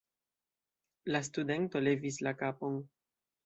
La studento levis la kapon.